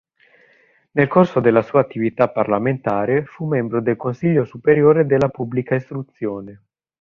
Nel corso della sua attività parlamentare fu membro del Consiglio Superiore della Pubblica Istruzione.